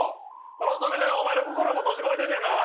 この扉がお前の心も閉じ込めてんねんな。